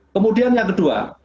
kemudian yang kedua